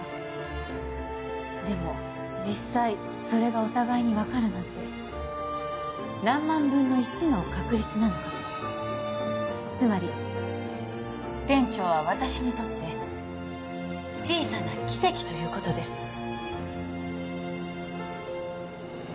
でも実際それがお互いに分かるなんて何万分の１の確率なのかとつまり店長は私にとって小さな奇跡ということです